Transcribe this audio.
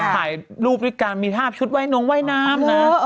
ถ่ายรูปด้วยกันมีทาบชุดไหว้โน้งไหว้น้ำนะ